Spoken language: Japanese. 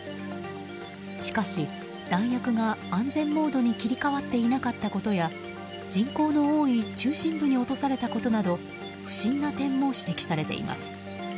しかし、弾薬が安全モードに切り替わっていなかったことや人口の多い中心部に落とされたことなど不審な点も指摘されています。